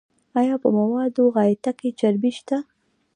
ایا په موادو غایطه کې چربی شته؟